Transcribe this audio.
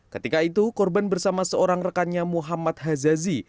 ketika itu korban bersama seorang rekannya muhammad hazazi